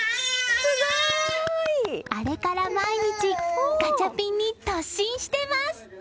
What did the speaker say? あれから毎日ガチャピンに突進しています！